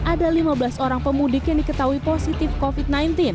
ada lima belas orang pemudik yang diketahui positif covid sembilan belas